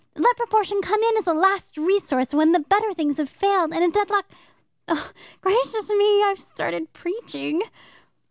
Let proportion come in as a last resource, when the better things have failed, and a deadlock Gracious me, I've started preaching!"